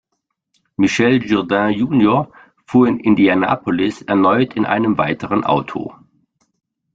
Michel Jourdain junior fuhr in Indianapolis erneut in einem weiteren Auto.